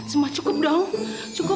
semua cukup dong cukup